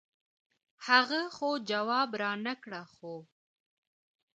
هغه خو جواب رانۀ کړۀ خو